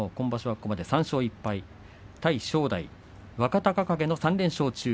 ここまで３勝１敗対正代、若隆景３連勝中。